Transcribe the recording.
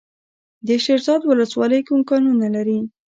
د شیرزاد ولسوالۍ کوم کانونه لري؟